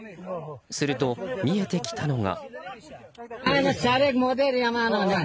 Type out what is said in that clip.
すると見えてきたのが。